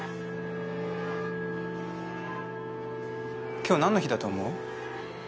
今日なんの日だと思う？